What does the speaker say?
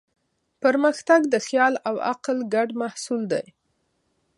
پرمختګ د خیال او عقل ګډ محصول دی.